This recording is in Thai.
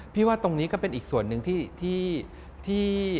ว่าตรงนี้ก็เป็นอีกส่วนหนึ่งที่